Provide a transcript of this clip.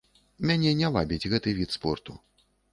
Мяне не вабіць гэты від спорту.